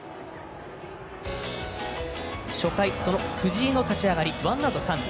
初回、藤井の立ち上がりワンアウト、三塁。